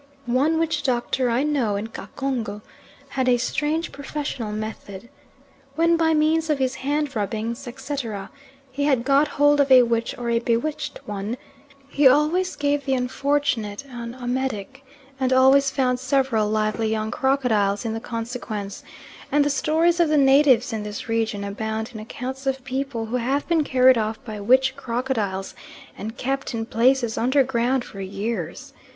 One witch doctor I know in Kacongo had a strange professional method. When, by means of his hand rubbings, etc., he had got hold of a witch or a bewitched one, he always gave the unfortunate an emetic and always found several lively young crocodiles in the consequence, and the stories of the natives in this region abound in accounts of people who have been carried off by witch crocodiles, and kept in places underground for years.